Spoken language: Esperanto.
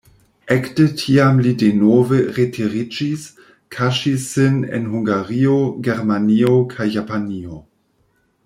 Ekde tiam li denove retiriĝis, kaŝis sin en Hungario, Germanio kaj Japanio.